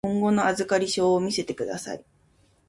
今後の預かり証を見せてください。